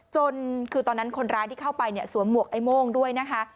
จนคือตอนนั้นคนร้ายที่เข้าไปเนี่ยสวมหวกไอ้โม่งด้วยนะคะ